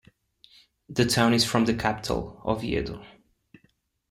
The town is from the capital, Oviedo.